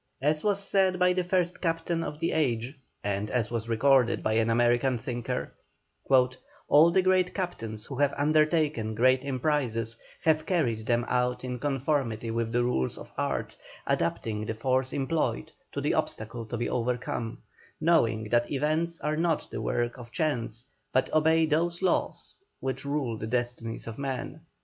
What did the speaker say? As was said by the first captain of the age and as was recorded by an American thinker, "All the great captains who have undertaken great emprises have carried them out in conformity with the rules of art, adapting the force employed to the obstacle to be overcome, knowing that events are not the work of chance, but obey those laws which rule the destinies of men."